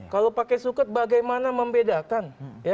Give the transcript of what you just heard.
kalau pakai suket bagaimana membedakan